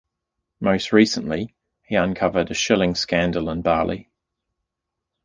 Most recently, he uncovered the shilling scandal in Bali.